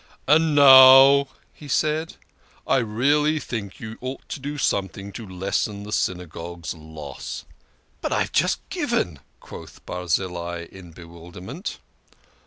" And now," said he, " I really think you ought to do something to lessen the Synagogue's loss." " But I have just given !" quoth Barzillai in bewilderment.